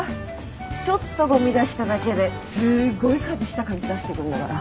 ちょっとごみ出しただけですごい家事した感じ出してくんだから。